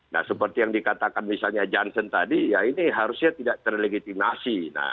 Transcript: nah seperti yang katakan misalnya justice johnson tadi ini harusnya tidak terlegitimasi